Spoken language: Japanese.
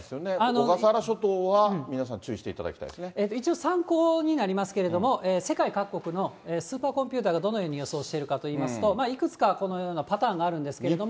小笠原諸島は、皆さん、一応、参考になりますけれども、世界各国のスーパーコンピューターがどのように予想しているかといいますと、いくつかこのようなパターンがあるんですけれども。